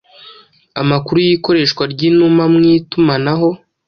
Amakuru y'ikoreshwa ry'inuma mu itumanaho